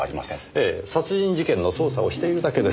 ええ殺人事件の捜査をしているだけです。